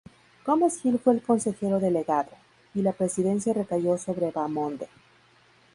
Gómez Gil fue el Consejero Delegado, y la Presidencia recayó sobre Vaamonde.